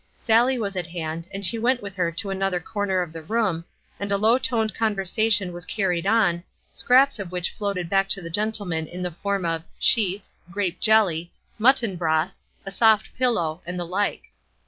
Sallie was at hand, and she went with her to another corner of the room, and a low toned conversation was carried on, scraps of which floated back to the gentlemen in the form of "sheets," "grape jelly," "mutton broth," "a soft pillow," and the like.